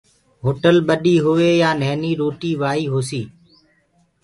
هوٽل ٻڏي هوئي يآن نهيني روٽي وآئي هوسي